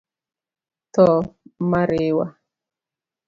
Tho ma riwa;